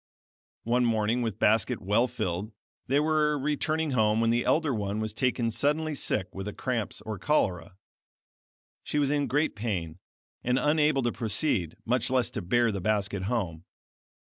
One morning with basket well filled, they were returning home when the elder one was taken suddenly sick with cramps or cholera. She was in great pain, and unable to proceed, much less to bear the basket home.